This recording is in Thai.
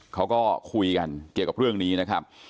เขาก็คุยกันเกี่ยวกับเรื่องนี้นะครับ